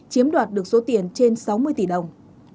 chiếm đoạt được số tiền trên sáu mươi tỷ đồng